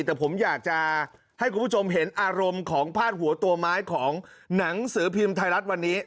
แต่ผมอยากจะให้คุณผู้ชมเห็นอารมณ์ของพาดหัวตัวไม้ของหนังสือพิมพ์ไทยรัฐวันนี้